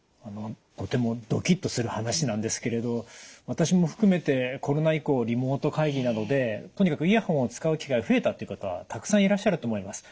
とてもドキッとする話なんですけれど私も含めてコロナ以降リモート会議などでとにかくイヤホンを使う機会が増えたっていう方たくさんいらっしゃると思います。